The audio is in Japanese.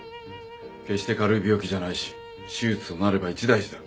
決して軽い病気じゃないし手術となれば一大事だ。